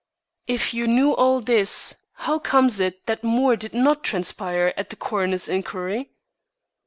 "If you knew all this, how comes it that more did not transpire at the coroner's inquiry?"